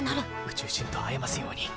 宇宙人と会えますように！